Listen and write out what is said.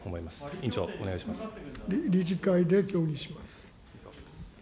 委員長、理事会で協議します。